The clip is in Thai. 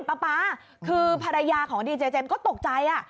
ป๊าคือภรรยาของดีเจเจมส์ก็ตกใจ